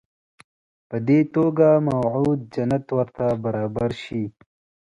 په دې توګه موعود جنت ورته برابر شي.